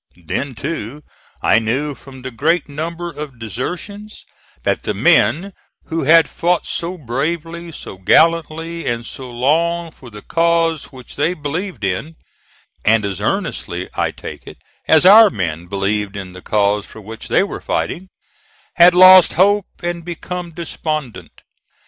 Then too I knew from the great number of desertions, that the men who had fought so bravely, so gallantly and so long for the cause which they believed in and as earnestly, I take it, as our men believed in the cause for which they were fighting had lost hope and become despondent.